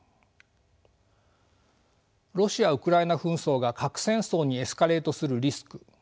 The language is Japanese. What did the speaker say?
ロシア・ウクライナ紛争が核戦争にエスカレートするリスク。